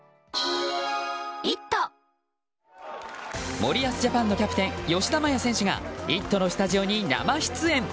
森保ジャパンのキャプテン吉田麻也選手が「イット！」のスタジオに生出演！